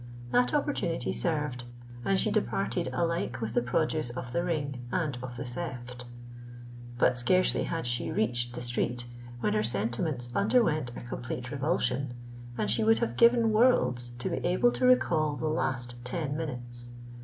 That opportunity served; and she departed alike with the produce of the ring and of the theft! But scarcely had she reached the street, when her sentiments underwent a complete revulsion; and she would have given worlds to be able to recall the last ten minutes.